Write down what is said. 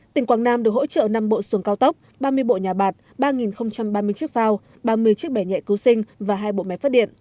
tỉnh quảng nam được hỗ trợ năm bộ xuồng cao tốc ba mươi bộ nhà bạc ba ba mươi chiếc phao ba mươi chiếc bẻ nhẹ cứu sinh và hai bộ máy phát điện